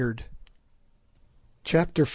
CHAPTER V.